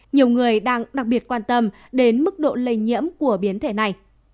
nhiều người đang đặc biệt quan tâm đến mức độ lây nhiễm của biến thể này